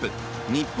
日本！